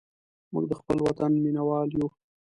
موږ د خپل وطن مینهوال یو.